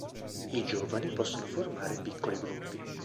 I giovani possono formare piccoli gruppi.